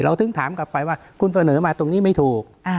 ถึงถามกลับไปว่าคุณเสนอมาตรงนี้ไม่ถูก